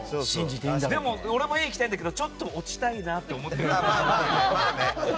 でも俺もＡ行きたいけどちょっと落ちたいなと思ってる。